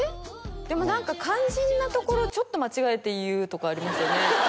でも何か肝心なところちょっと間違えて言うとかありますよね？